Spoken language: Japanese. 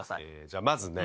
じゃあまずね。